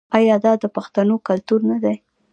آیا دا د پښتنو کلتور نه دی؟